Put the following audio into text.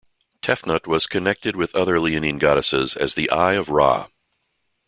Tefnut was connected with other leonine goddesses as the Eye of Ra.